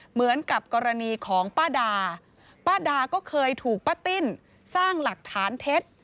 เหมือนกับกรณีของป้าดาป้าดาก็เคยถูกป้าติ้นสร้างหลักฐานเท็จ